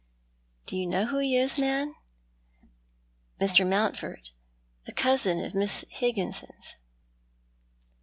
"'" Do you know who he is, man ? Mr. Mountford, a cousin of Miss Higginson's